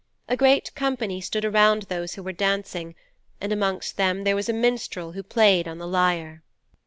A great company stood around those who were dancing, and amongst them there was a minstrel who played on the lyre.'